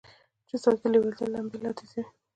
چې ستاسې د لېوالتیا لمبې لا تېزوي.